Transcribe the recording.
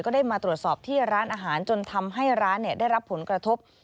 ได้มาตรวจสอบที่ร้านอาหารจนทำให้ร้านได้รับผลกระทบ